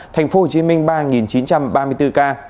thành phố hồ chí minh ba chín trăm ba mươi bốn ca